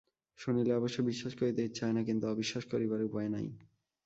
শুনিলে অবশ্য বিশ্বাস করিতে ইচ্ছে হয় না, কিন্তু অবিশ্বাস করিবার উপায় নাই।